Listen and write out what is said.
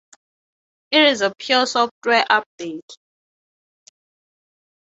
It is a pure software update.